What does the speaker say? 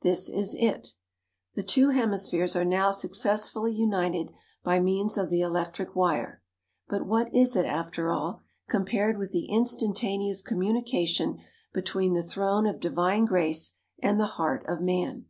This is it: "The two hemispheres are now successfully united by means of the electric wire, but what is it, after all, compared with the instantaneous communication between the Throne of Divine Grace and the heart of man?